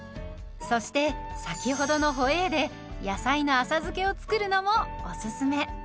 そして先ほどのホエーで野菜の浅漬けを作るのもおすすめ。